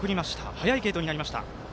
早い継投になりました。